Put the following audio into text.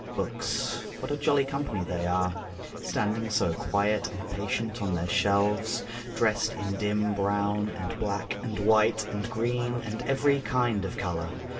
Books; what a jolly company they are, Standing so quiet and patient on their shelves, Dressed in dim brown, and black, and white, and green And every kind of colour.